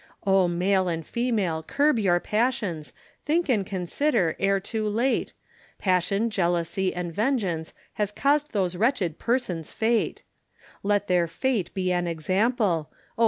Oh male and female curb your passions, Think and consider ere too late, Passion, jealousy, and vengence, Has caused those wretched person's fate; Let their fate be an example, Oh!